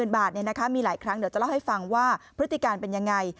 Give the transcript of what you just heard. บาทมีหลายครั้งเดี๋ยวจะเล่าให้ฟังว่าพฤติการเป็นยังไง